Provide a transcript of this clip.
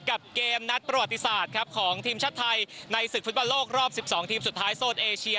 กับเกมนัดประวัติศาสตร์ครับของทีมชาติไทยในศึกฟุตบอลโลกรอบ๑๒ทีมสุดท้ายโซนเอเชีย